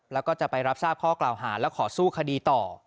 แล้วก็จะไปรับทราบข้อกล่าวหาและขอสู้คดีต่อ